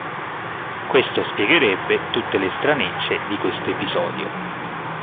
Questo spiegherebbe tutte le stranezze di questo episodio.